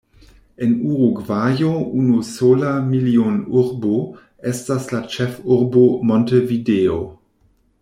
En Urugvajo unusola milionurbo estas la ĉefurbo Montevideo.